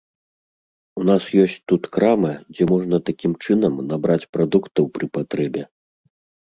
У нас ёсць тут крама, дзе можна такім чынам набраць прадуктаў пры патрэбе.